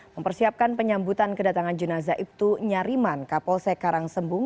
mempersiapkan penyambutan kedatangan jenazah ibtu nyariman kapolsek karangsembung